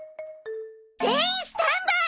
全員スタンバイ！